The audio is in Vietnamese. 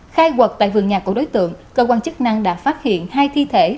khai quật tại vườn nhà của đối tượng cơ quan chức năng đã phát hiện hai thi thể